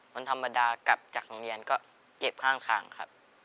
คนธรรมดากลับจากโรงเรียนก็เก็บข้างทางครับ